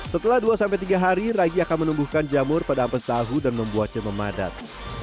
setelah dua tiga hari ragi akan menumbuhkan jamur pada ampas tahu dan membuatnya memadat